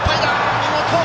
見事！